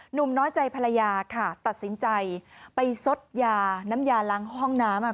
น้อยใจภรรยาค่ะตัดสินใจไปซดยาน้ำยาล้างห้องน้ำ